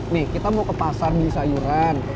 nih kita mau ke pasar beli sayuran